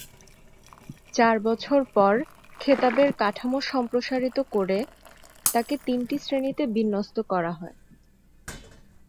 চার বছর পর খেতাবের কাঠামো সম্প্রসারিত করে তাকে তিনটি শ্রেনীতে বিন্যাস্ত করা হয়।